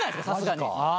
さすがに。